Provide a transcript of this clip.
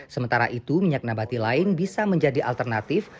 sementara itu minyak nabati lain bisa menjadi alternatif